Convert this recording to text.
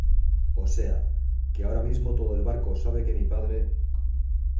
o sea, que ahora mismo todo el barco sabe que mi padre